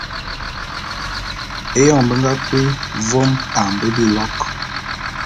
Eyon be nga kui vôm a mbe bilok.